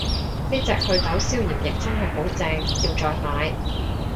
呢隻袪痘消炎液真係好正，要再買